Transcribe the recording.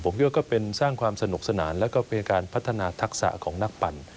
ผมคิดว่าก็เป็นสร้างความสนุกสนานแล้วก็เป็นการพัฒนาทักษะของนักปั่น